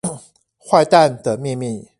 壞蛋的祕密